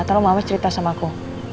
kalau mama cerita sama aku